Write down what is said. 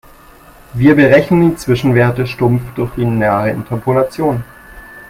Wir berechnen die Zwischenwerte stumpf durch lineare Interpolation.